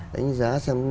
đánh giá xem